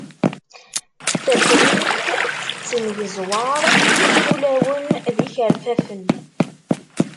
Tafrirt tettengeẓwaṛ ulawen d ikerfafen.